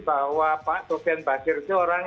bahwa pak sofian basir itu orang